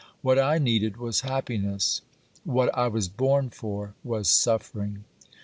What I needed was happiness, what I was born for was suffering.